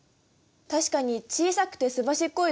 確かに小さくてすばしっこい